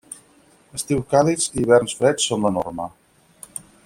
Estius càlids i hiverns freds són la norma.